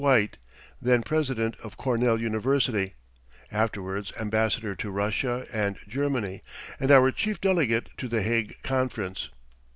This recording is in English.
White, then president of Cornell University, afterwards Ambassador to Russia and Germany, and our chief delegate to the Hague Conference.